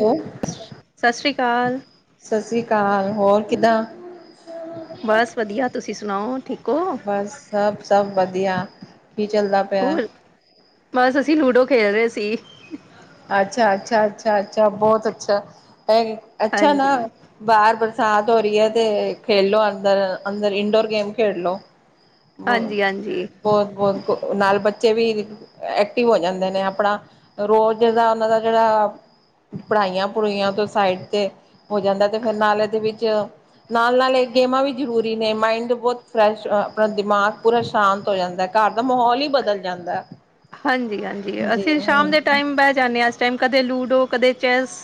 ਏ ਉਂ ਸਸ ਰੀ ਕਾਲ। ਸਸ ਰੀ ਕਾਲ, ਹੋਰ ਕਿੱਦਾਂ ਬਸ ਵਧੀਆ, ਤੁਸੀਂ ਸੁਣਾਓ ਠੀਕ ਹੋ। ਬਸ ਸਭ- ਸਭ ਵਧੀਆ, ਕੀ ਚੱਲਦਾ ਪਿਆ? ਹੋਰ ਬਸ ਅਸੀਂ ਲੂਡੋ ਖੇਲ ਰੇ ਸੀ। ਅੱਛਾ- ਅੱਛਾ- ਅੱਛਾ- ਅੱਛਾ ਬਹੁਤ ਅੱਛਾ, ਅੱਛਾ ਨਾ ਹਾਂਜੀ ਬਾਹਰ ਬਰਸਾਤ ਹੋ ਰਹੀ ਏ, ਤੇ ਖੇਲ ਲੋ ਅੰਦਰ, ਅੰਦਰ ਇੰਡੋਰ ਗੇਮ ਖੇਡ ਲੋ। [unintelligible] ਬ ਹਾਂਜੀ ਬਹੁਤ-ਬਹੁਤ ਨਾਲ ਬੱਚੇ ਵੀ ਐਕਟਿਵ ਹੋ ਜਾਂਦੇ ਨੇ, ਆਪਣਾ ਰੋਜ਼ ਜਿੱਦਾਂ ਉਹਨਾਂ ਦਾ, ਜਿਹੜਾ ਪੜ੍ਹਾਈਆਂ ਪੜੂਈਆਂ ਤੋਂ ਸਾਈਡ ਤੇ ਹੋ ਜਾਂਦਾ, ਤੇ ਫਿਰ ਨਾਲ ਇਹਦੇ ਵਿੱਚ ਨਾਲ-ਨਾਲ ਇਹ ਗੇਮਾਂ ਵੀ ਜ਼ਰੂਰੀ ਨੇ, ਮਾਇੰਡ ਬਹੁਤ ਫਰੈਸ਼, ਆਪਣਾ ਦਿਮਾਗ ਪੂਰਾ ਸ਼ਾਂਤ ਹੋ ਜਾਂਦਾ। ਘਰ ਦਾ ਮਾਹੌਲ ਹੀ ਬਦਲ ਜਾਂਦਾ। ਹਾਂਜੀ-ਹਾਂਜੀ, ਅਸੀਂ ਸ਼ਾਮ ਦੇ ਹਾਂਜੀ-ਹਾਂਜੀ ਟਾਈਮ ਬਹਿ ਜਾਂਦੇ ਆਂ, ਇਸ ਟਾਈਮ ਕਦੇ ਲੂਡੋ, ਕਦੇ ਚੈਸ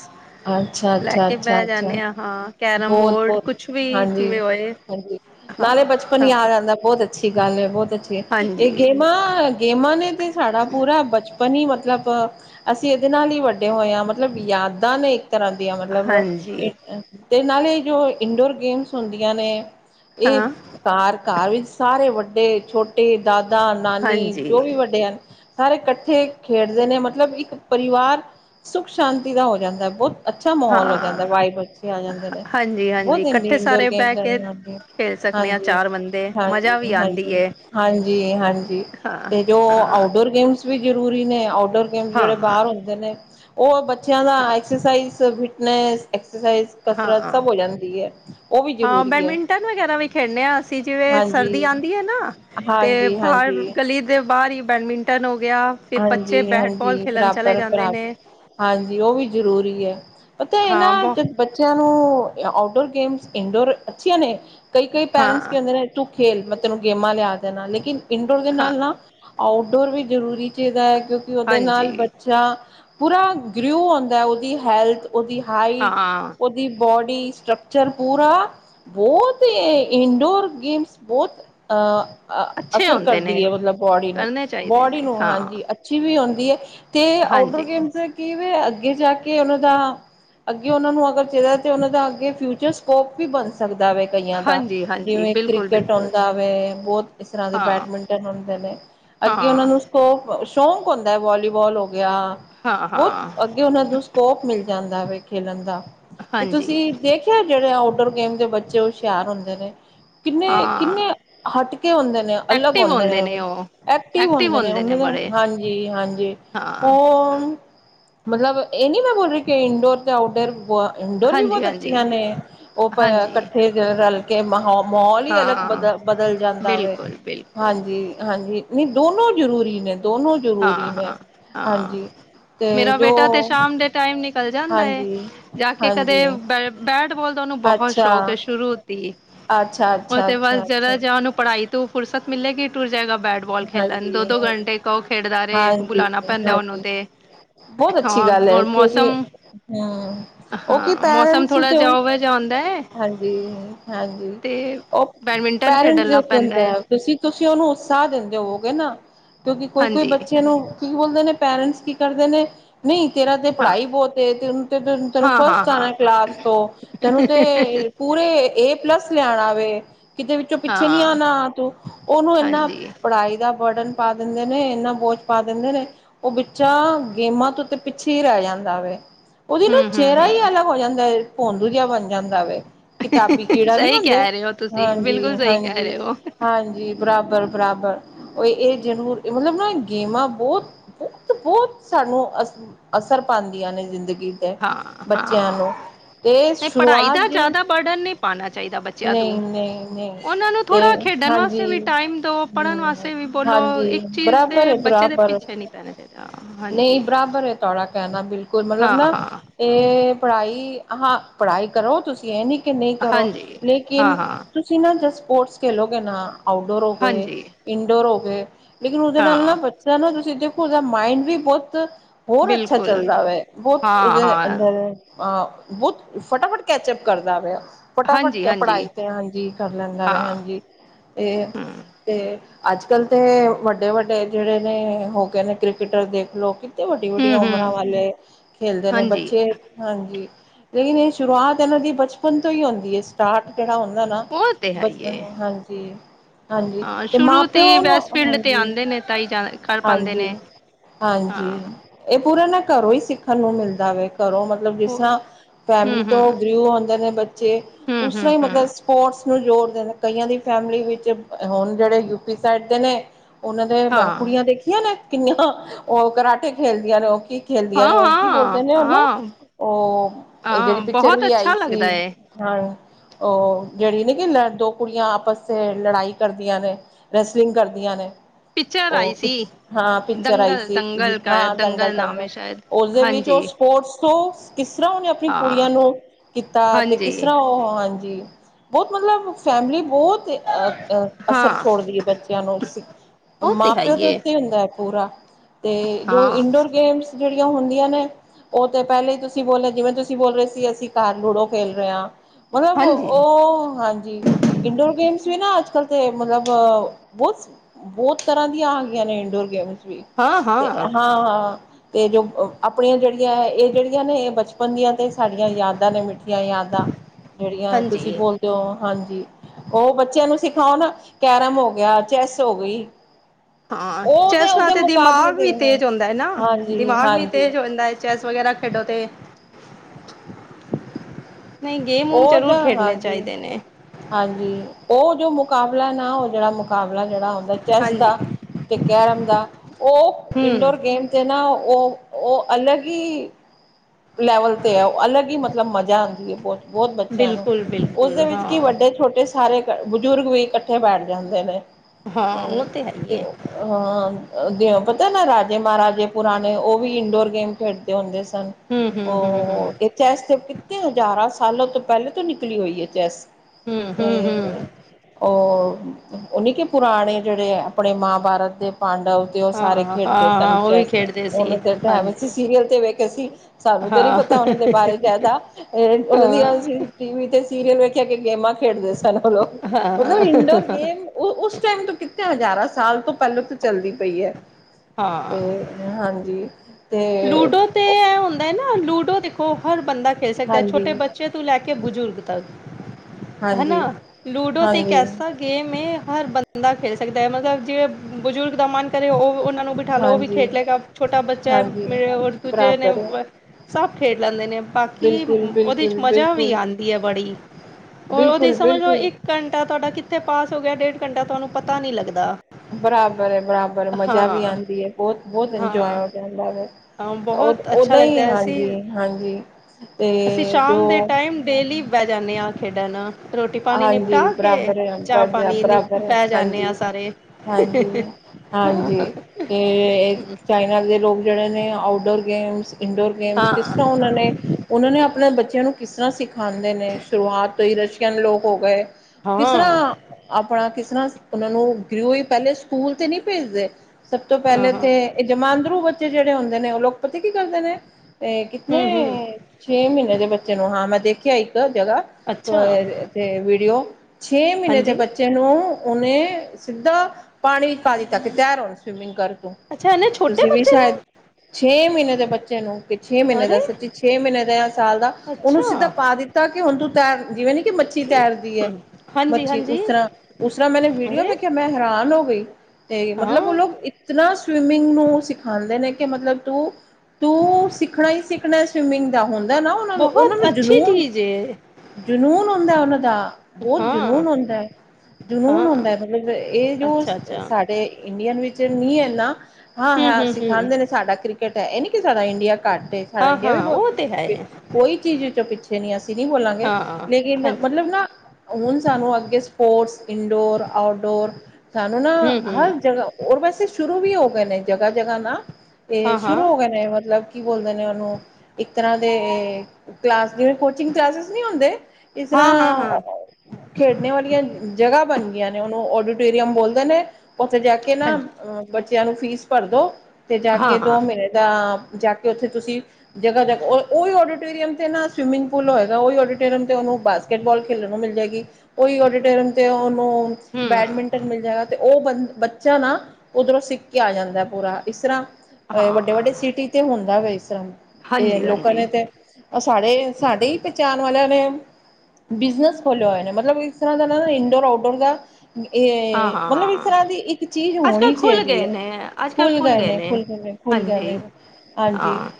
ਲੈ ਅੱਛਾ-ਅੱਛਾ, ਕੇ ਬਹਿ ਅੱਛਾ-ਅੱਛਾ ਜਾਂਨੇ ਆਂ, ਹਾਂ ਕੈਰਮ ਬੋਰਡ ਬਹੁਤ-ਬਹੁਤ ਕੁਛ ਵੀ ਜਿਵੇਂ ਹਾਂਜੀ। ਹੋਏ ਹਾਂਜੀ ਹਾਂ ਨਾਲੇ ਬਚਪਨ ਹੀ ਹਾਂ ਯਾਦ ਆਂਦਾ, ਬਹੁਤ ਅੱਛੀ ਗੱਲ ਏ ਬਹੁਤ ਅੱਛੀ, ਇਹ ਹਾਂਜੀ ਗੇਮਾਂ ਗੇਮਾਂ ਨੇ ਤੇ ਸਾਡਾ ਪੂਰਾ ਬਚਪਨ ਹੀ ਮਤਲਬ ਅਸੀਂ ਇਹਦੇ ਨਾਲ ਹੀ ਵੱਡੇ ਹੋਏ ਹਾਂ, ਮਤਲਬ ਯਾਦਾਂ ਨੇ ਇੱਕ ਤਰ੍ਹਾਂ ਦੀਆਂ ਮਤਲਬ ਹਾਂਜੀ ਤੇ ਨਾਲੇ ਜੋ ਇਨਡੋਰ ਗੇਮਸ ਹੁੰਦੀਆਂ ਨੇ, ਇਹ ਹਾਂ ਘਰ-ਘਰ ਵਿੱਚ ਸਾਰੇ ਵੱਡੇ-ਛੋਟੇ, ਦਾਦਾ, ਨਾਨੀ, ਜੋ ਵੀ ਹਾਂਜੀ ਵੱਡੇ ਹਨ ਸਾਰੇ ਇਕੱਠੇ ਖੇਡਦੇ ਨੇ, ਮਤਲਬ ਇੱਕ ਪਰਿਵਾਰ ਸੁੱਖ ਸ਼ਾਂਤੀ ਦਾ ਹੋ ਜਾਂਦਾ ਬੋਤ। ਅੱਛਾ ਮਾਹੌਲ ਹੋ ਜਾਂਦਾ, ਹਾਂ ਵਾਈਫ ਅੱਛੇ ਆ ਜਾਂਦੇ ਨੇ, ਹਾਂਜੀ ਹਾਂਜੀ ਬਹੁਤ ਇਕੱਠੇ ਇੰਡੋਰ ਸਾਰੇ ਗੇਮ ਬਹਿ [inaudible] ਕੇ ਹਾਂਜੀ- ਖੇਲ ਸਕਦੇ ਹਾਂ ਚਾਰ ਬੰਦੇ ਮਜ਼ਾ ਵੀ ਹਾਂਜੀ- ਆਉਂਦੀ ਹਾਂਜੀ- ਹੈ ਹਾਂਜੀ- ਹਾਂਜੀ ਹਾਂ ਤੇ ਜੋ ਹਾਂ ਆਊਟਡੋਰ ਗੇਮਸ ਵੀ ਜ਼ਰੂਰੀ ਨੇ, ਆਊਟਡੋਰ ਗੇਮਸ ਹਾਂ ਜਿਹੜੇ ਬਾਹਰ ਹਾਂ ਹੁੰਦੇ ਨੇ ਉਹ ਬੱਚ ਬੱਚਿਆਂ ਦਾ ਐਕਰਸ਼ਾਈਜ਼, ਫਿਟਨਸ, ਐਕਰਸ਼ਾਈਜ਼, ਹਾਂ ਕਸਰਤ ਹਾਂ ਸਭ ਹੋ ਜਾਂਦੀ ਐ। ਹਾਂ ਬੈਡਮਿੰਟਨ ਵਗੈਰਾ ਵੀ ਖੇਡਦੇ ਹਾਂ ਅਸੀਂ, ਜਿਵੇਂ ਹਾਂਜੀ, ਸਰਦੀ ਆਂਦੀ ਹੈ ਨਾ। ਤੇ ਬਾਹਰ ਹਾਂਜੀ-ਹਾਂਜੀ। ਗਲੀ ਦੇ ਬਾਹਰ ਹੀ ਬੈਡਮਿੰਟਨ ਟਨ ਹੋ ਗਿਆ, ਫਿਰ ਬੱਚੇ ਹਾਂਜੀ ਬੈਟ ਹਾਂਜੀ ਬੌਲ ਖੇਲਣ ਚਲੇ ਬਰਾਬਰ ਜਾਂਦੇ ਬਰਾਬਰ ਨੇ। ਹਾਂਜੀ ਉਹ ਵੀ ਜ਼ਰੂਰੀ ਐ, ਪਤਾ ਹਾਂ ਬਹੁ ਇਹਨਾਂ ਬੱਚਿਆਂ ਨੂੰ ਆਊਟਡੋਰ ਗੇਮਸ, ਇੰਡੋਰ ਅੱਛੀਆਂ ਨੇ, ਕਈ- ਕਈ ਪੈਰੈਂਟਸ ਹਾਂ ਕਹਿੰਦੇ ਨੇ ਤੂੰ ਖੇਲ, ਮੈਂ ਤੈਨੂੰ ਗੇਮਾਂ ਲਿਆ ਦੇਣਾ, ਲੇਕਿਨ ਇਨਡੋਰ ਦੇ ਹਾਂ ਨਾਲ ਨਾ ਆਊਟਡੋਰ ਵੀ ਜ਼ਰੂਰੀ ਬੱਚੇ ਦਾ ਐਕਿਉਂਕਿ ਉਹਦੇ ਨਾਲ ਹਾਂਜੀ ਬੱਚਾ ਪੂਰਾ ਗਰਿਊ ਆਉਂਦਾ, ਉਹਦੀ ਹੈਲਥ ਉਹਦੀ ਹਾਈਟ, ਹਾਂ ਉਹਦੀ ਬੋਡੀ ਸਟਕਚਰ ਪੂਰਾ ਬਹੁਤ ਏ ਇੰਡੋਰ ਗੇਮਸ ਬਹੁਤ ਅ ਅੱਛੇ ਅਸਰ ਹੁੰਦੇ ਨੇ ਕਰਦੀ ਹੈ ਮਤਲਬ ਬੋਡੀ ਨੂੰ ਕਰਨੇ ਚਾਹੀਦੇ ਨੇ ਬੋਡੀ ਨੂੰ ਹਾਂ ਹਾਂਜੀ ਅੱਛੀ ਵੀ ਆਉਂਦੀ ਹੈ ਤੇ ਆਊਟਡੋਰ ਹਾਂਜੀ ਗੇਮਸ ਕੀ ਅੱਗੇ ਜਾ ਕੇ ਉਹਨਾਂ ਦਾ ਅੱਗੇ ਉਹਨਾਂ ਨੂੰ ਅਗਰ ਚਿਹੀਦਾ ਤੇ ਉਹਨਾਂ ਦਾ ਅੱਗੇ ਫਿਊਚਰ ਸਕੋਪ ਵੀ ਬਣ ਸਕਦਾ ਵ ਕਈਆਂ ਦਾ ਹਾਂਜੀ ਹਾਂਜੀ ਜਿਵੇਂ ਬਿਲਕੁਲ ਕ੍ਰਿਕਟ ਬਿਲਕੁਲ ਹੁੰਦਾ ਵੇ ਬਹੁਤ ਇਸ ਤਰ੍ਹਾਂ ਦੇ ਹਾਂ ਬੈਡਮਿੰਟਨ ਹੁੰਦੇ ਨੇ ਅੱਗੇ ਉਹਨਾਂ ਹਾਂ ਨੂੰ ਸੋਕ ਅ ਸ਼ੌਕ ਹੁੰਦਾ, ਵਾ ਵਾਲੀਬਾਲ ਹੋ ਗਿਆ, ਹਾਂ ਬਹੁਤ ਹਾਂ ਅ ਤੇ ਉਹਨਾਂ ਨੂੰ ਸਕੋਪ ਮਿਲ ਜਾਂਦਾ ਵੇ ਖੇਲਣ ਦਾ, ਤੇ ਹਾਂਜੀ ਤੁਸੀਂ ਦੇਖਿਆ ਜਿਹੜੇ ਆਊਟਡੋਰ ਗੇਮ ਦੇ ਬੱਚੇ ਹੁਸ਼ਿਆਰ ਹੁੰਦੇ ਨੇ। ਕਿੰਨੇ ਹਾਂ ਕਿੰਨੇ ਹਟਕੇ ਹੁੰਦੇ ਨੇ, ਅਲੱਗ ਹੁੰਦੇ ਨੇ, ਐਕਟਿਵ ਹੁੰਦੇ ਨੇ ਉਹਨਾ ਦਾ ਹਾਂਜੀ ਹਾਂਜੀ ਹਾਂ ਉਹ ਮਤਲਬ ਇਹ ਨੀ ਮੈਂ ਬੋਲ ਰਹੀ ਕਿ ਇਨਡੋਰ ਤੇ ਆਊਟਡੋਰ ਹੋਆ ਇੰਡੋਰ ਵੀ ਹਾਂਜੀ ਬਹੁਤ ਹਾਂਜੀ ਅੱਛੀਆਂ ਨੇ ਉਹ ਪ ਹਾਂਜੀ ਇਕੱਠੇ ਰਲ ਕੇ ਮਾਹ ਮਹੌਲ ਹੀ ਅਲੱਗ ਬਦ ਹਾਂ ਬਦਲ ਜਾਂਦਾ ਵੇ ਬਿਲਕੁਲ ਬਿਲਕੁਲ ਹਾਂਜੀ। ਹਾਂਜੀ ਨਈ ਦੋਨੋ ਜ਼ਰੂਰੀ ਨੇ ਦੋ ਨੋ ਹਾਂ ਹਾਂ, ਹਾਂ। ਤੇ ਮੇਰਾ ਜੋ ਬੇਟਾ ਤੇ ਸ਼ਾਮ ਦੇ ਟਾਈਮ ਨਿਕਲ ਜਾਂਦਾ ਏ ਹਾਂਜੀ ਜਾ ਕੇ ਕਦੇ ਹਾਂਜੀ ਬ ਬੈਟਬਾਲ ਦਾ ਉਹਨੂੰ ਬਹੁਤ ਅੱਛਾ ਸ਼ੌਕ ਏ ਸ਼ੁਰੂ ਤੀ, ਅੱਛਾ ਉਹ ਅੱਛਾ ਤੇ ਬਸ ਅੱਛਾ ਜਰਾ ਅੱਛਾ ਜਾ ਉਹਨੂੰ ਪੜ੍ਹਾਈ ਤੋਂ ਫੁਰਸਤ ਮਿਲੇੇਗੀ ਟੁਰ ਜਾਏਗਾ ਬੈਟ ਬਾਲ ਖੇਲਣ ਦੋ ਦੋ ਘੰਟੇ ਕੋ ਹਾਂਜੀਹਾਂਜੀ ਬਹੁਤ ਅੱਛੀ ਹਾਂ ਗੱਲ ਐ ਕਿਉਂਕਿ ਮੌਸਮ ਹਾ ਓ ਕੀ ਹਾਂ ਮੌਸਮ ਪੈਰੈਂਟਸ ਥੋੜਾ ਸੁਤੇ ਜਿਹਾ ਹੋਣ ਹੋਵੇ ਜਾ ਹੁੰਦਾ ਹੈ ਹਾਂਜੀ ਹਾਂਜੀ ਤੇ ਉ ਬੈਡਮਿੰਟਨ ਪੈਰਟਸ ਖੇਡਣਾ ਦੇਖ ਕੇ ਪੈਂਦਾ ਨਿ ਹੈ ਆਓ ਤੁਸੀਂ ਤੁਸੀਂ ਉਹਨੂੰ ਉਤਸ਼ਾਹ ਦਿੰਦੇ ਹੋਵੋਗੇ ਨਾ ਕਿਉਂਕਿ ਕੋਈ ਕੋਈ ਹਾਂਜੀ ਬੱਚੇ ਨੂੰ ਕੀ ਬੋਲਦੇ ਨੇ ਪੈਰੈਂਟਸ ਕੀ ਕਰਦੇ ਨੇ ਨਈ ਤੇਰਾ ਤੇ ਹਾਂ ਪੜ੍ਹਾਈ ਬਹੁਤ ਏ ਤੁਨ ਤੈਨੂੰ ਹਾਂ ਹਾਂ ਫਸਟ ਹਾਂ ਆਉਣਾ ਕਲਾਸ ਤੋਂ। ਤੈਨੂੰ ਤੇ ਪੂਰੇ ਏ ਪਲੱਸ ਲਿਆਣਾ ਵੇ ਕਿਤੇ ਵਿੱਚੋਂ ਪਿੱਛੇ ਨੀ ਹਾਂ ਆਣਾ ਤੂੰ ਉਹਨੂੰ ਏਨਾ ਹਾਂਜੀ ਪੜਾਈ ਦਾ ਬਰਡਨ ਪਾ ਦਿੰਦੇ ਨੇ, ਏਨਾ ਬੋਝ ਪਾ ਦਿੰਦੇ ਨੇ। ਉਹ ਬੱਚਾ ਗੇਮਾਂ ਤੋਂ ਤੇ ਪਿੱਛੀ ਰਹਿ ਜਾਂਦਾ ਵੇ। ਉਹਦੀ ਨਾ ਹਮ ਹਮ ਚਿਹਰਾ ਈ ਹਮ ਅਲੱਗ ਹੋ ਜਾਂਦਾ ਵੇ ਭੋਂਦੂ ਜਿਹਾ ਬਣ ਜਾਂਦਾ ਵੇ। ਕਿਤਾਬੀ ਕੀੜਾ ਨੀ ਸਹੀ ਹੁੰਦੇ ਕਹਿ ਰਹੇ ਹੋ ਤੁਸੀਂ ਬਿਲਕੁਲ ਸਹੀ ਕਹਿ ਹਾਂਜੀ-ਹਾਂਜੀ, ਰਹੇ ਹੋ ਹਾਂਜੀ ਬਰਾਬਰ ਬਰਾਬਰ ਏ ਇਹ ਜ਼ਰੂਰ ਮਤਲਬ ਨਾ ਗੇਮਾਂ ਬਹੁਤ ਬਹੁਤ ਬਹੁਤ ਸਾਨੂੰ ਅਸ ਅਸਰ ਪਾਂਦੀਆਂ ਨੇ ਜ਼ਿੰਦਗੀ ਚ ਹਾਂ ਬੱਚਿਆਂ ਨੂੰ। ਹਾਂ ਤੇ ਨਹੀਂ ਪੜ੍ਹਾਈ ਸ਼ੁਰੂਆਤ ਦਾ ਜੀ, ਜ਼ਿਆਦਾ ਬਰਡਨ ਨਹੀਂ ਪਾਉਣਾ ਚਾਹੀਦਾ ਬੱਚਿਆਂ ਨਈ ਨੂੰ ਨਈ ਨਈ। ਉਹਨਾਂ ਨੂੰ ਤੇ ਥੋੜ੍ਹਾ ਖੇਡਣ ਵਾਸਤੇ ਹਾਂਜੀ। ਵੀ ਟਾਈਮ ਦਿਉ ਪੜ੍ਹਨ ਵਾਸਤੇ ਵੀ ਬੋਲੋ ਹਾਂਜੀ ਇੱਕ ਚੀਜ਼ ਬਰਾਬਰ ਦੇ ਏ ਬੱਚੇ ਦੇ ਬਰਾਬਰ, ਪਿੱਛੇ ਨਹੀਂ ਪੈਣਾ ਚਾਹੀਦਾ ਨਈ ਹਾਂਜੀ ਬਰਾ ਬਰ ਏ ਤੁਹਾਡਾ ਕਹਿਣਾ ਬਿਲਕੁਲ ਮਤਲਬ ਹਾਂ ਨਾ ਹਾਂ ਇਹ ਪੜ੍ਹਾਈ ਹਾਂ ਪੜ੍ਹਾਈ ਕਰੋ ਤੁਸੀਂ ਇਹ ਨੀ ਕਿ ਨਈ ਕਰੋ ਹਾਂਜੀ ਹਾਂ ਲੇਕਿਨ ਹਾਂ ਤੁਸੀਂ ਨਾ ਜ ਸਪੋਰਟਸ ਖੇਲੋਗੇ ਨਾ ਆਊਟਡੋਰ ਹੋ ਗਏ ਹਾਂਜੀ ਇੰਡੋਰ ਹੋ ਗਏ ਲੇਕਿਨ ਉਹਦੇ ਨਾਲ ਨਾ ਹਾਂ ਬੱਚਾ ਨਾ ਤੁਸੀਂ ਦੇਖੋ ਉਹਦਾ ਮਾਇੰਡ ਵੀ ਬਹੁਤ ਹੋਰ ਅੱਛਾ ਬਿਲਕੁਲ ਚੱਲਦਾ ਵੇ ਬਹੁਤ ਹਾਂ ਉਹਦੇ ਹਾਂ ਅੰਦਰ ਅ ਬਹੁਤ ਫਟਾਫਟ ਕੈਚਅਪ ਕਰਦੇ ਵੇ। ਫਟਾਫਟ ਤੇ ਹਾਂਜੀ-ਹਾਂਜੀ ਪੜ੍ਹਾਈ ਤੇ ਹਾਂਜੀ ਕਰ ਲੈਂਦਾ ਵੇ ਹਾਂ ਹਾਂਜੀ ਇਹ ਤੇ ਅੱਜ ਕੱਲ੍ਹ ਤਾਂ ਵੱਡੇ ਵੱਡੇ ਜਿਹੜੇ ਨੇ ਹੋ ਗਏ ਨੇ ਕ੍ਰਿਕਟਰ ਦੇਖ ਲਓ ਕਿ ਵੱਡੀ ਵੱਡੀਆਂ ਉਮਰਾਂ ਹੂੰ-ਹੂੰ ਵਾਲੇ ਖੇਲਦੇ ਨੇ ਹਾਂਜੀ ਬੱਚੇ ਹਾਂਜੀ ਲੇਕਿਨ ਇਹ ਸ਼ੁਰੂਆਤ ਇਹਨਾਂ ਦੀ ਬਚਪਨ ਤੋਂ ਈ ਆਉਂਦੀ ਏ। ਸਟਾਰਟ ਜਿਹੜਾ ਹੁੰਦਾ ਨਾ ਉਹ ਤੇ ਹੈ ਹੀ ਬਚਪਨ ਏ ਨੂੰ ਹਾਂਜੀ, ਹਾਂਜੀ। ਹਾਂ ਤੇ ਮਾਂ ਸ਼ੁਰੂ ਤੇ ਪਿਓ ਨੂੰ ਵੈਸਟ ਫੀਲਡ ਤੇ ਹਾਂਜੀ, ਆਂਦੇ ਨੇ ਤਾਂ ਹੀ ਜਾ ਕਰ ਪਾਂਦੇ ਨੇ ਹਾਂਜੀ, ਹਾਂਜੀ। ਹਾਂ ਇਹ ਪੂਰਾ ਨਾ ਘਰੋਂ ਈ ਸਿੱਖਣ ਨੂੰ ਮਿਲਦਾ ਵੇ ਘਰੋਂ ਮਤਲ ਮਤਲਬ ਜਿਸ ਹੋਰ ਤਰ੍ਹਾਂ ਫੈਮਿਲੀ ਹੂੰ-ਹੂੰ ਤੋਂ ਗਰੀਊ ਹੁੰਦੇ ਨੇ ਬੱਚੇ ਉਸ ਤਰ੍ਹਾਂ ਈ ਹੂੰ-ਹੂੰ-ਹੂੰ ਮਤਲਬ ਸਪੋਰਟਸ ਨੂੰ ਜੋੜਦੇ ਨੇ ਕਈਆਂ ਦੀ ਫੈਮਿਲੀ ਵਿੱਚ ਹੁਣ ਜਿਹੜੇ ਯੂਪੀ ਸਾਈਡ ਦੇ ਨੇ ਉਹਨਾਂ ਦੇ ਹਾਂ-ਹਾਂ-ਹਾਂ ਕੁੜੀਆਂ ਦੇਖੀਆਂ ਨੇ ਕਿੰਨੀਆਂ ਉਹ ਕਰਾਟੇ ਖੇਲਦੀਆਂ ਨੇ ਉਹ ਕਿ ਖੇਲਦੀਆਂ ਨੇ ਹਾਂ ਉਹ ਕੀ ਹਾਂ ਬੋਲਦੇ ਨੇ ਹਾਂ ਉਹਨੂੰ ਹਾਂ ਉਹ ਇਹ ਜਿਹੜੀ ਹਾਂ ਪਿਕਚਰ ਬਹੁਤ ਵੀ ਆਈ ਅੱਛਾ ਸੀ। ਲੱਗਦਾ ਏ ਹਾਂ, ਉਹ ਜਿਹੜੀ ਨੇ ਕਿ ਲੈ ਦੋ ਕੁੜੀਆਂ ਆਪਸ 'ਚ ਲੜਾਈ ਕਰਦੀਆਂ ਨੇ। ਰੈਸਲਿੰਗ ਕਰਦੀਆਂ ਨੇ। ਪਿਕਚਰ ਉਹ ਆਈ ਪਿਕ ਸੀ ਹਾਂ, ਪਿਕਚਰ ਆਈ ਸੀ, ਯੁ ਦੰਗਲ-ਦੰਗਲ ਕਰ ਹਾਂ ਦੰਗਲ ਨਾਮ ਦੰਗਲ-ਟੰਗਲ। ਏ ਸ਼ਾਇਦ ਉਸਦੇ ਵਿੱਚ ਉਹ ਹਾਂਜੀ ਸਪੋਰਟਸ ਸੋ ਕਿਸ ਤਰ੍ਹਾਂ ਉਹਨੇ ਆਪਣੀ ਹਾਂ ਕੁੜੀਆਂ ਨੂੰ ਕੀਤਾ, ਤੇ ਹਾਂਜੀ ਕਿਸ ਤਰ੍ਹਾਂ ਉਹ ਹਾਂਜੀ। ਬਹੁਤ ਮਤਲਬ ਫੈਮਿਲੀ ਬਹੁਤ ਅਸਰ ਹਾਂ ਛੋੜਦੀਏ ਬੱਚਿਆਂ ਨੂੰ, ਉਹ ਤੇ ਹੈ ਮਾਂ-ਪਿਓ ਦੇ ਏ ਉੱਤੇ ਹੀ ਹੁੰਦਾ ਹੈ ਪੂਰਾ ਤੇ ਜੋ ਹਾਂ ਇਨਡੋਰ ਗੇਮਸ ਜਿਹੜੀਆਂ ਹੁੰਦੀਆਂ ਨੇ ਉਹ ਤੇ ਪਹਿਲੇ ਹੀ ਤੁਸੀਂ ਬੋਲਿਆ ਜਿਵੇਂ ਤੁਸੀਂ ਬੋਲ ਰਹੇ ਸੀ, ਅਸੀਂ ਘਰ ਲੂਡੋ ਖੇਲ ਰਹੇ ਹਾਂ। ਮਤਲਬ ਹਾਂਜੀ ਉਹ ਹਾਂਜੀ, ਇੰਡੋਰ ਗੇਮਸ ਵੀ ਨਾ ਅੱਜ-ਕੱਲ ਤੇ ਮਤਲਬ ਬਹੁਤ-ਬਹੁਤ ਤਰ੍ਹਾਂ ਦੀਆਂ ਆਗੀਆਂ ਨੇ ਇਨਡੋਰ ਗੇਮਸ ਵੀ। ਤੇ ਹਾਂ-ਹਾਂ ਹਾਂ-ਹਾਂ ਤੇ ਜੋ ਆਪਣੀਆਂ ਜਿਹੜੀਆਂ ਇਹ ਜਿਹੜੀਆਂ ਨੇ ਇਹ ਬਚਪਨ ਦੀਆਂ ਤੇ ਸਾਡੀਆਂ ਯਾਦਾਂ ਨੇ ਮਿੱਠੀਆਂ ਯਾਦਾਂ, ਜਿਹੜੀਆਂ ਤੁਸੀਂ ਹਾਂਜੀ ਬੋਲ ਉਹ ਹਾਂਜੀ, ਉਹ ਬੱਚਿਆਂ ਨੂੰ ਸਿਖਾਓ ਨਾ ਕੈਰਮ ਹੋ ਗਿਆ, ਚੈਸ ਹੋ ਗਈ। ਹਾਂ, ਉਹਦੇ ਚੈਸ ਨਾਲ ਉਹਦੇ ਤੇ ਮੁਕਾਬਲੇ ਦਿਮਾਗ ਵੀ ਦੇ ਤੇਜ਼ ਹੁੰਦਾ ਹੈਨਾ ਹਾਂਜੀ ਦਿਮਾਗ ਵੀ ਹਾਂਜੀ ਤੇਜ਼ ਹੁੰਦਾ ਹੈ। ਚੈਸ ਵਗੈਰਾ ਖੇਡੋ ਤੇ ਨਹੀਂ ਗੇਮ- ਗੂਮ ਜ਼ਰੂਰ ਉਹਦਾ ਖੇਡਣੇ ਹਾਂਜੀ ਚਾਹੀਦੇ ਨੇ। ਹਾਂਜੀ। ਉਹ ਜੋ ਮੁਕਾਬਲਾ ਨਾ ਉਹ ਜਿਹੜਾ ਮੁਕਾਬਲਾ ਜਿਹੜਾ ਹਉਂਦਾ ਚੈਸ ਹਾਂਜੀ ਦਾ। ਤੇ ਕੈਰਮ ਦਾ ਉਹ ਹਮ ਇੰਡੋਰ ਗੇਮ ਤੇ ਨਾ ਉਹ-ਉਹ ਅਲੱਗ ਹੀ ਲੈਵਲ ਤੇ ਹੈ ਉਹ ਅਲੱਗ ਹੀ ਮਤਲਬ ਮਜ਼ਾ ਆਉਂਦੀ ਹੈ, ਬਹੁਤ-ਬਹੁਤ ਬੱਚਿਆਂ ਨੂੰ ਬਿਲਕੁਲ ਉਸਦੇ ਬਿਲਕੁਲ ਵਿੱਚ ਕੀ ਹਾਂ ਵੱਡੇ-ਛੋਟੇ, ਸਾਰੇ ਬਜ਼ੁਰਗ ਵੀ ਇਕੱਠੇ ਬੈਠ ਜਾਂਦੇ ਨੇ। ਹਾਂ ਉਹ ਤੇ ਹੈ ਹੀ ਦੇ ਹੈ ਉਹ ਹਾਂ, ਪਤਾ ਨਾ, ਰਾਜੇ-ਮਹਾਰਾਜੇ ਪੁਰਾਣੇ ਉਹ ਵੀ ਇੰਡੋਰ ਗੇਮ ਖੇਡਦੇ ਹੁੰਦੇ ਸਨ। ਹਮ ਹਮ ਹਮ ਹਮ ਉਹ ਇਹ ਚੈਸ ਤੇ ਕਿੱਤੇ ਹਜ਼ਾਰਾਂ ਸਾਲਾਂ ਤੋਂ ਪਹਿਲੇ ਤੋਂ ਨਿਕਲੀ ਹੋਈ ਹੈ ਚੈਸ। ਹਮ ਹਮ ਤੇ ਹਮ ਉਹ-ਉਹ ਨੀ ਕਿ ਪੁਰਾਣੇ ਜਿਹੜੇ, ਆਪਣੇ ਮਹਾਭਾਰਤ ਦੇ ਪਾਂਡਵ ਤੇ ਉਹ ਹਾਂ ਸਾਰੇ ਖੇਡਦੇ ਹਾਂ ਸਨ, ਹਾਂ ਉਹ ਵੀ ਚੈਸ ਖੇਡਦੇ ਸੀ ਉਹਨੂੰ ਦੇਵੇਂ ਸੀ ਹਾਂਜੀ ਸੀਰੀਅਲ ਤੇ ਵੇਖੇ ਸੀ। ਸਾਨੂੰ ਤੇ ਨ ਹਾਂ ਪਤਾ ਉਹਨਾਂ ਦੇ ਬਾਰੇ ਜ਼ਿਆਦਾ ਉਹਨਾਂ ਹਾਂ ਦੀਆਂ ਅਸੀ ਟੀ ਵੀ ਤੇ ਸੀਰੀਅਲ ਵੇਖੇ ਆ ਕੇ ਗੇਮਾਂ ਖੇਡਦੇ ਸਨ, ਉਹ ਲੋਕ, ਮਤਲਬ ਹਾਂ ਇੰਡੋਰ ਗੇਮ ਉਹ ਉਸ ਟਾਈਮ ਤੋਂ ਕਿੱਥੇ ਹਜ਼ਾਰਾਂ ਸਾਲ ਤੋਂ ਪਹਿਲੋਂ ਤਾਂ ਚੱਲਦੀ ਪਈ ਹੈ ਹਾਂ ਤੇ ਹਾਂਜੀ। ਤੇ ਲੂਡੋ ਤੇ ਇਹ ਹੁੰਦਾ ਹੈ ਨਾ ਲੂਡੋ ਦੇਖੋ ਹਰ ਬੰਦਾ ਖੇਡ ਸਕਦਾ ਹਾਂਜੀ ਛੋਟੇ ਬੱਚੇ ਤੂੰ ਲੈਕੇ ਬਜ਼ੁਰਗ ਤੱਕ ਹੈਨਾ ਹਾਂਜੀ ਲੂਡੋ ਤੇ ਹਾਂਜੀ ਕੈਸਾ ਗੇਮ ਮੇ ਹਰ ਬੰਦਾ ਖੇਡ ਸਕਦਾ ਹੈ, ਮਤਲਬ ਜਿਹਵੇਂ ਬਜ਼ੁਰਗ ਦਾ ਮਨ ਕਰੇ ਉਹ-ਉਹਨਾਂ ਨੂੰ ਬਿਠਾ ਲਓ ਉਹ ਵੀ ਹਾਂਜੀ ਖੇਡ ਲੈ ਛੋਟਾ ਬੱਚਾ ਹੈ, ਹਾਂਜੀ ਮੇਰੇ ਰ ਦੂਜੇ ਨੇ ਬਰਾਬਰ ਹੈ ਸਭ ਖੇਡ ਲੈਂਦੇ ਨੇ। ਬਾਕੀ ਬਿਲਕੁਲ ਉਹਦੇ ਬਿਲਕੁਲ ਮਜ਼ਾ ਵੀ ਬਿਲਕੁਲ ਆਉਂਦੀ ਹੈ, ਬੜੀ ਉਹਦੇ ਬਿਲਕੁਲ ਸਮਝ ਲਓ ਬਿਲਕੁਲ ਇੱਕ ਘੰਟਾ ਤੁਹਾਡਾ ਕਿੱਥੇ ਪਾਸ ਹੋ ਗਿਆ, ਡੇਢ ਘੰਟਾ ਤੁਹਾਨੂੰ ਪਤਾ ਨਹੀਂ ਲੱਗਦਾ। ਬਰਾਬਰ ਹੈ ਬਰਾਬਰ ਮਜਾ ਵੀ ਹਾਂ ਆਉਂਦੀ ਹੈ, ਬਹੁਤ-ਬਹੁਤ ਇੰਜੋਏ ਇੰਜੋਏ ਹਾਂ ਹੋ ਜਾਂਦਾ ਵੇ। ਹਾਂ ਬਹੁਤ ਅੱਛਾ ਓਦਾਂ ਹੀ, ਲੱਗਦਾ ਹੈ, ਅਸੀਂ ਹਾਂਜੀ-ਹਾਂਜੀ ਤੇ ਜੋ ਪੈ ਜਾਂਦੇ ਹਾਂ ਖੇਡਣ ਰੋਟੀ-ਪਾਣੀ ਨਿਪਟਾ ਹਾਂਜੀ ਕੇ, ਬਰਾਬਰ ਹੈ ਚਾਹ-ਪਾਣੀ ਨੀ ਬਰਾਬਰ ਹੈ ਪੇ ਜਾਂਦੇ ਆਾ ਹਾਂਜੀ ਸਾਰੇ ਹਾਂਜੀ। ਹਾਂਜੀ, ਤੇ ਚਾਈਨਾ ਦੇ ਲੋਕ ਜਿਹੜੇ ਨੇ ਆਊਟਡੋਰ ਗੇਮਸ ਇੰਡੋਰ ਗੇਮਸ ਹਾਂ ਕਿਸ ਤਰ੍ਹਾਂ ਉਹ ਨੇ ਉਹਨਾਂ ਨੇ ਆਪਣੇ ਬੱਚਿਆਂ ਨੂੰ ਕਿਸ ਤਰ੍ਹਾਂ ਸਿਖਾਉਂਦੇ ਨੇ। ਸ਼ੁਰੂਆਤ ਤੋਂ ਹੀ ਰਸ਼ ਕੈਨ ਲੋਕ ਹੋ ਗਏ ਹਾਂ ਕਿਸ ਤਰ੍ਹਾ ਹਾਂ ਆਪਣਾ ਕਿਸ ਤਰ੍ਹਾਂ ਉਹਨਾਂ ਨੂੰ ਗਿਰੋ ਪਹਿਲੇ ਸਕੂਲ ਤੇ ਨਹੀਂ ਭੇਜਦੇ। ਸਭ ਤੋਂ ਪਹਿਲੇ ਹਾਂ ਤੇ ਇਹ ਜਮਾਂਦਰੂ ਬੱਚੇ ਜਿਹੜੇ ਹੁੰਦੇ ਨੇ ਉਹ ਲੋਕ ਪਤੀ ਕੀ ਕਰਦੇ ਨੇ? ਤੇ ਹਮ ਹਮ ਕਿਤਨੇ ਛੇ ਮਹੀਨੇ ਦੇ ਬੱਚੇ ਨੂੰ ਹਾਂ ਮੈਂ ਦੇਖਿਆ ਇੱਕ ਜਗ੍ਹਾ ਅੱਛਾ ਪਰ ਵੀਡੀਓ ਛੇ ਮਹੀਨੇ ਦੇ ਹਾਂਜੀ ਬੱਚੇ ਤੇਨੂੰ ਉਹਨੇ ਸਿੱਧਾ ਪਾਣੀ ਚ ਪਾ ਦਿਤਾ ਕੀ ਤਿਆਰ ਹੋ ਸਵਿਮਿੰਗ ਕਰ ਤੂੰ। ਅੱਛਾ ਇਹਨੇ ਛੋਟੇ ਤੁਸੀਂ ਵੀ ਬੱਚੇ ਨੂੰ ਸ਼ਾਇਦ ਛੇ ਮਹੀਨੇ ਦੇ ਬੱਚੇ ਨੂੰ ਕਿ ਛੇ ਮਹੀਨੇ ਅਰੇ ਦਾ ਸੱਚੀ ਛੇ' ਮਹੀਨੇ ਦਾ ਜਾਂ ਸਾਲ ਦਾ ਉਹਨੂੰ ਅੱਛਾ ਸਿੱਧਾ ਪਾ ਦਿੱਤਾ ਕਿ ਹੁਣ ਤੂੰ ਤੈਰ ਜਿਵੇਂ ਨੀ ਕਿ ਮੱਛੀ ਤੈਰਦੀ ਹੈ। ਹਾਂਜੀ ਬੱਛੀ ਉਸ ਹਾਂਜੀ ਤਰ੍ਹਾਂ ਉਸ ਤਰ੍ਹਾਂ ਮੈਨੇ ਵੀਡੀਓ ਅਰੇ ਵੇਖਿਆ ਮੈਂ ਹੈਰਾਨ ਹੋ ਗਈ ਤੇ' ਹਾਂ ਮਤਲਬ ਉਹ ਲੋਕ ਇਤਨਾ ਸਵਿਮਿੰਗ ਨੂੰ ਸਿਖਾਂਦੇ ਨੇ ਕਿ' ਮਤਲਬ ਤੂੰ ਤੂੰ'ਸਿੱਖਣਾ ਹੀ ਸਿੱਖਣਾ ਸਵਿਮਿੰਗ ਦਾ ਹੁਣ ਨਾ ਉਹਨਾਂ ਨੂੰ ਉਹਨਾਂ ਬਹੁਤ ਨੂੰ ਅੱਛੀ ਚੀਜ਼ ਹੈ ਜਨੂੰਨ-ਜਨੂੰਨ ਹੁੰਦਾ ਉਹਨਾਂ ਦਾ ਬਹੁਤ ਹਾਂ ਜਨੂੰਨ ਹੁੰਦਾ। ਜਨੂੰਨ ਹਾਂ ਹੁੰਦਾ। ਮਤਲਬ ਇਹ ਜੋ ਅੱਛਾ ਅੱਛਾ ਸਾਡੇ ਇੰਡੀਅਨ ਵਿੱਚ ਨਹੀਂ ਐਨਾ ਹਮ ਹਾਂ-ਹਾਂ ਹਮ ਹਮ ਸਿਖਾਂਦੇ ਨੇ ਸਾਡਾ ਕ੍ਰਿਕਟ ਇਹ ਨਹੀਂ ਕਿ ਸਾਡਾ ਇੰਡੀਆ ਘੱਟ ਐ। ਸਾਡਾ ਹਾਂ ਇੰਡੀਆ ਹਾਂ ਵੀ ਬਹੁਤ ਉਹ ਤੇ ਹੈ ਕੋਈ ਚੀਜ਼ੋਂ ਪਿੱਛੇ ਨੀ ਅਸੀਂ ਨੀ ਬੋਲਾਂਗੇ ਹਾਂ ਲੇਕਿਨ ਹਾਂਜੀ ਮਤਲਬ ਨਾ ਹੁਣ ਸਾਨੂੰ ਅੱਗੇ ਸਪੋਰਟਸ, ਇੰਡੋਰ, ਆਊਟਡੋਰ ਸਾਨੂੰ ਨਾ ਹਮ ਹਰ ਹਮ ਜਗ੍ਹਾ ਔਰ ਵੈਸੇ ਸ਼ੁਰੂ ਵੀ ਹੋ ਗਏ ਨੇ ਜਗ੍ਹਾ-ਜਗ੍ਹਾ ਨਾ ਇਹ ਹਾਂ ਹਾਂ ਸ਼ੁਰੂ ਹੋ ਗਏ ਨੇ ਮਤਲਬ ਕੀ ਬੋਲਦੇ ਨੇ ਉਹਨੂੰ ਇੱਕ ਤਰ੍ਹਾਂ ਦੇ ਕਲਾਸ ਜਿਵੇਂ ਕੋਚਿੰਗ ਕਲਾਸਿਸ ਨਹੀਂ ਹੁੰਦੇ ਇਸ ਹਾਂ ਹਾਂ ਹਾਂ ਤਰ੍ਹਾਂ ਖੇਡਣੇ ਵਾਲੀਆਂ ਜਗ੍ਹਾ ਬਣ ਗਈਆਂ ਨੇ ਉਹਨੂੰ ਓਡੀਟੋਰੀਅਮ ਬੋਲਦੇ ਨੇ ਉੱਥੇ ਜਾ ਕੇ ਨਾ ਹਾਂਜੀ ਬੱਚਿਆਂ ਨੂੰ ਫੀਸ ਭਰਦੋ ਤੇ ਜਾ ਹਾਂ ਕੇ ਹਾਂ ਦੋ ਮਹੀਨੇ ਤਾਂ' ਜਾ ਕੇ ਉੱਥੇ ਤੁਸੀਂ ਜਗ੍ਹਾ ਦੇ ਉਹੀ ਓਡੀਟੋਰੀਅਮ ਤੇ ਨਾ ਸਵੀਮਿੰਗ ਪੂਲ ਹੋਏਗਾ ਉਹੀ ਆਓਡੀਟੋਰੀਅਮ ਤੇ ਉਹਨੂੰ ਬਾਸਕਟੋਾਲ ਖੇਡਣ ਨੂੰ ਮਿਲ ਜਾਏਗੀ। ਉਹੀ ਆਓਡੀਟੋਰੀਅਮ ਤੇ ਉਹਨੂੰ ਹਮ ਬੈਡਮਿੰਟਨ ਮਿਲ ਜੇਗਾ ਤੇ ਉਹ ਬੰ ਬੱਚਾ ਨਾ ਉੱਧਰੋਂ ਸਿੱਖ ਕੇ ਆ ਜਾਂਦਾ ਪੂਰਾ ਇਸ ਤਰ੍ਹਾਂ ਹਾਂ ਵੱਡੇ-ਵੱਡੇ ਸਿਟੀ ਤੇ ਹੁੰਦਾ ਵਾ' ਇਸ ਤਰ੍ਹਾਂ ਇਹ ਹਾਂਜੀ ਲੋਕਾਂ ਹਾਂਜੀ ਨੇ ਤੇ ਸਾਡੇ-ਸਾਡੇ ਈ ਪਹਿਚਾਣ ਵਾਲਿਆਂ ਨੇ ਬਿਜਨਸ ਖੋਲਿਆ ਹੋਏ ਨੇ'ਮਤਲਬ ਇਸ ਤਰ੍ਹਾਂ ਦਾ ਨਾ ਇੰਡੋਰ ਆਊਟਡੋਰ ਦਾ ਹਾਂ ਇਹ' ਹਾਂ ਮਤਲਬ ਇਸ ਹਾਂ ਤਰ੍ਹਾਂ ਦੀ ਇੱਕ ਚੀਜ਼ ਅੱਜ ਹੋਣੀ ਕੱਲ੍ਹ ਖੁੱਲ ਚਾਹੀਦੀ ਗਏ ਐ। ਨੇ ਅੱਜ ਕੱਲ੍ਹ ਖੁੱਲ ਗਏ ਨੇ, ਖੁੱਲ ਗਏ ਨੇ ਖੁੱਲ ਗਏ ਹਾਂਜੀ ਨੇ, ਹਾਂਜੀ ਹਾਂ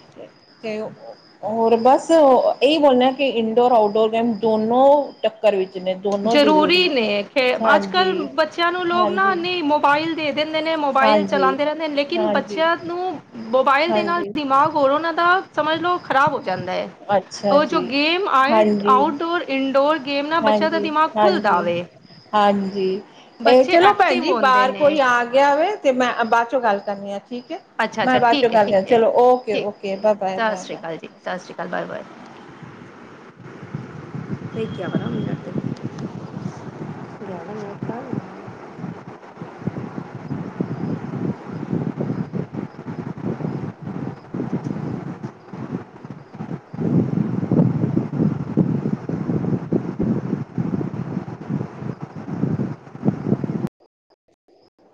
ਤੇ'ਹੋਰ ਬਸ ਇਹੀ ਬੋਲਣਾ ਕਿ ਇਨਡੋਰ ਆਊਟਡੋਰ ਗੇਮ ਦੋਨੋ [unintelligible] ਜ਼ਰੂਰੀ ਨੇ ਖੇ ਅੱਜ ਹਾਂਜੀ ਕੱਲ ਬੱਚਿਆਂ ਨੂੰ ਲੋਕ ਨਾ ਹਾਂਜੀ ਨਹੀਂ ਮੋਬਾਈਲ ਦੇ ਦਿੰਦੇ ਨੇ ਮੋਬਾਈਲ ਹਾਂਜੀ ਚਲਾਂਦੇ ਰਹਿੰਦੇ ਨੇ ਲੇਕਿਨ ਹਾਂਜੀ ਬੱਚਿਆਂ ਨੂੰ ਮੋਬਾਇਲ ਦੇ ਨਾਲ ਹਾਂਜੀ ਦਿਮਾਗ ਔਰ ਉਹਨਾਂ ਦਾ ਸਮਝ ਲਓ' ਖ਼ਰਾਬ ਹੋ ਜਾਂਦਾ ਐ। ਅੱਛਾ ਉਹ ਜੋ ਜੀ, ਗੇਮ ਆਈ ਆਊਟ ਡੋਰ ਇੰਡੋਰ ਗੇਮ ਨਾ ਬੱਚਾ ਹਾਂਜੀ-ਹਾਂਜੀ-ਹਾਂਜੀ ਏ ਬੱਚੇ ਚਲੋ ਭੈਣ ਐਕਟਿਵ ਜੀ ਹੁੰਦੇ ਬਾਹਰ ਨੇ ਕੋਈ ਆ ਗਿਆ ਵੇ ਤੇ ਮੈਂ ਬਾਅਦ ਚੋਂ ਗੱਲ ਕਰਨੀ ਆ ਠੀਕ ਐ ਅੱਛਾ ਮੈਂ ਅੱਛਾ ਬਾਅਦ ਚੋਂ ਠੀਕ ਹੈ ਗੱਲ ਕਰ ਗਿਆ ਠੀਕ ਹੈ ਚਲੋ ਠੀਕ ਓਕੇ-ਓਕੇ ਠੀਕ ਬਾਏ-ਬਾਏ, ਸਤਿ ਸ਼੍ਰੀ ਬਾਏ-ਬਾਏ ਅਕਾਲ ਜੀ ਸਤਿ ਸ਼੍ਰੀ ਅਕਾਲ ਬਾਏ ਬਾਏ [unintelligible]